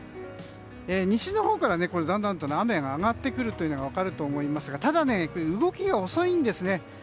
西日本からだんだんと雨が上がってくるというのが分かると思いますがただ、動きが遅いんですね。